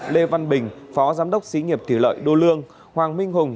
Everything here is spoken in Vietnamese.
lê văn bình phó giám đốc sĩ nghiệp thủy lợi đô lương hoàng minh hùng